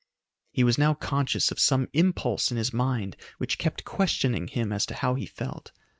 He was now conscious of some impulse in his mind which kept questioning him as to how he felt.